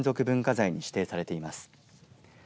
文化財に指定されています。